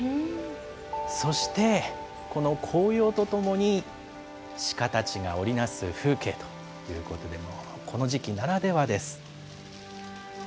そして、この紅葉とともに鹿たちが織り成す風景ということで、この時期ならではです。